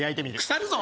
腐るぞ